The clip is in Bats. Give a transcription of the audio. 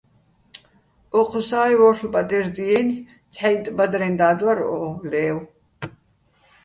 ო́ჴუსაჲ ვორ'ლ ბადერ დიენი̆, ცჰ̦აიტტ ბადრეჼ და́დ ვარ ო ლე́ვო̆.